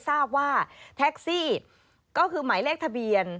ทราบว่าแท็กซี่ก็คือหมายเลขทะเบียน